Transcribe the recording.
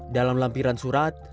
dalam lampiran surat